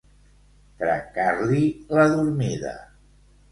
Trencar-li la dormida.